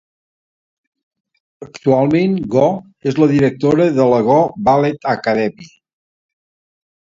Actualment, Goh és la directora de la Goh Ballet Academy.